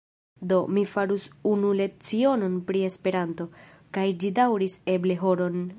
Do, mi faris unu lecionon pri Esperanto, kaj ĝi daŭris eble horon.